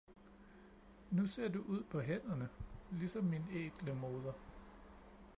Nu ser du ud på hænderne ligesom min ækle moder